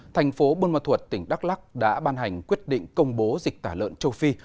thành phố buôn ma thuật tỉnh đắk lắc đã ban hành quyết định công bố dịch tả lợn châu phi